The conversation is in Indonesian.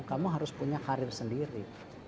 kamu harus punya karir sendiri